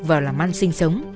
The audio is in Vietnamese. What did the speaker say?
vào làm ăn sinh sống